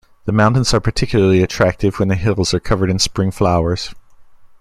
The mountains are particularly attractive when the hills are covered in spring flowers.